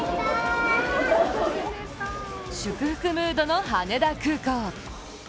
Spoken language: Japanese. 祝福ムードの羽田空港。